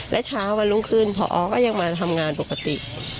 และเช้าวันรุ่งขึ้นพอก็ยังมาทำงานปกติ